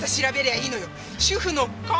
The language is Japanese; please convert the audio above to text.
主婦の勘。